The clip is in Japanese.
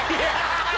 ハハハ！